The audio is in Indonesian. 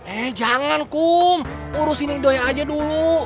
eh jangan kum urusin lidoya aja dulu